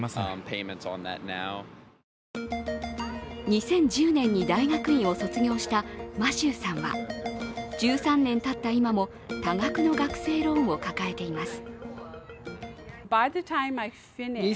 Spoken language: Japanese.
２０１０年に大学院を卒業したマシューさんは１３年たった今も、多額の学生ローンを抱えています。